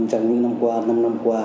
trong những năm qua năm năm qua